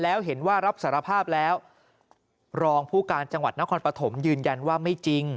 แล้วเห็นว่ารับสารภาพแล้วรองผู้การจังหวัดนครปฐมยืนยันว่าไม่จริง